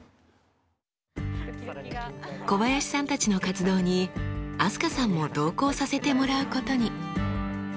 小林さんたちの活動に飛鳥さんも同行させてもらうことに。